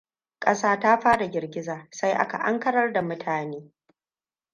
Ƙasa ta fara girgiza, sai aka ankarar da mutane.